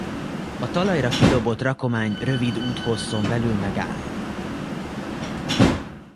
A talajra kidobott rakomány rövid úthosszon belül megáll.